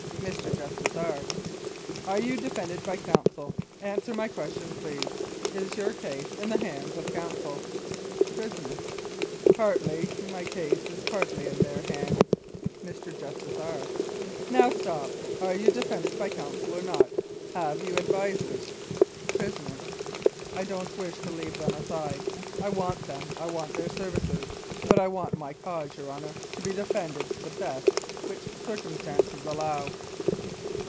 Mr. JUSTICE R.: Are you defended by counsel? Answer my question, please. Is your case in the hands of counsel? PRISONER: Partly; my cause is partly in their hands. Mr. JUSTICE R. : Now stop. Are you defended by counsel or not? Have you advisers? PRISONER: I don't wish to leave them aside. I want them, I want their services ; but I want my cause, your Honour, to be defended to the best which circum stances allow.